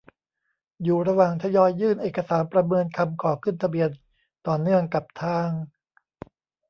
อยู่ระหว่างทยอยยื่นเอกสารประเมินคำขอขึ้นทะเบียนต่อเนื่องกับทาง